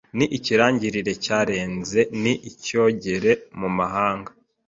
Ni ikirangirire cyarenze Ni icyogere mu mahanga